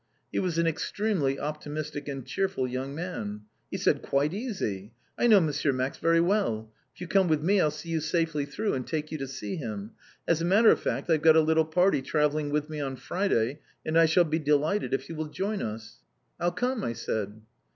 He was an extremely optimistic and cheerful young man. He said, "Quite easy! I know M. Max very well. If you come with me, I'll see you safely through, and take you to see him. As a matter of fact I've got a little party travelling with me on Friday, and I shall be delighted if you will join us." "I'll come," I said.